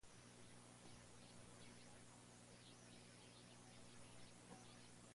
En el ínterin, sin embargo lee mucho, estudia lenguas y el Talmud.